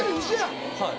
はい。